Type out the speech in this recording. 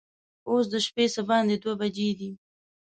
اوس د شپې څه باندې دوه بجې دي.